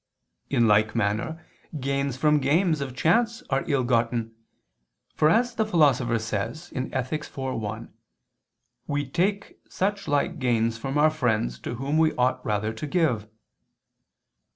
In like manner gains from games of chance are ill gotten, for, as the Philosopher says (Ethic. iv, 1), "we take such like gains from our friends to whom we ought rather to give."